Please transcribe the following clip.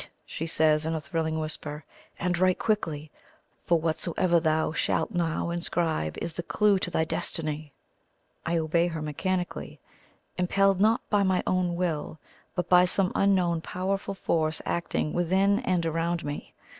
she says, in a thrilling whisper; "and write quickly! for whatsoever thou shalt now inscribe is the clue to thy destiny." I obey her mechanically, impelled not by my own will, but by some unknown powerful force acting within and around me.